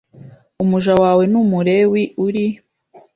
umuja wawe n Umulewi uri